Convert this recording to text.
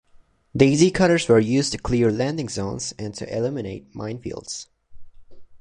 Daisy Cutters were used to clear landing zones and to eliminate mine fields.